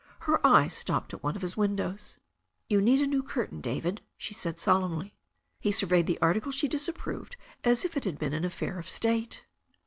Her eyes stopped at one of his windows. *'You need a new curtain, David," she said solemnly. He surveyed the article she disapproved as if it had been an affair of state.